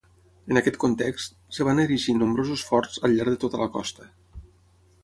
En aquest context, es van erigir nombrosos forts al llarg de tota la costa.